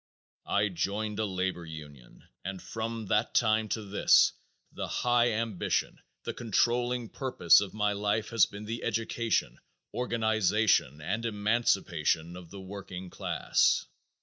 I joined a labor union and from that time to this the high ambition, the controlling purpose of my life has been the education, organization and emancipation of the working class.